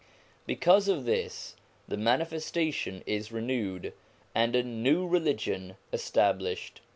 Because of this the manifestation is renewed, and a new religion established.